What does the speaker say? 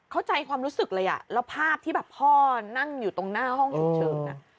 เข้าใจความรู้สึกเลยอ่ะแล้วภาพที่แบบพ่อนั่งอยู่ตรงหน้าห้องฉุกเฉิน